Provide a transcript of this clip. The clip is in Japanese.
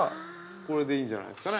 これでいいんじゃないですかね。